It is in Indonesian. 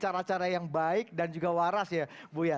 terima kasih yang baik dan juga waras ya buya